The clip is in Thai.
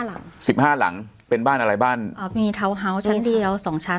หลังสิบห้าหลังเป็นบ้านอะไรบ้านอ่ามีชั้นเดียวสองชั้น